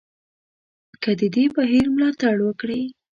که د دې بهیر ملاتړ وکړي.